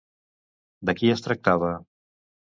De qui es tractava?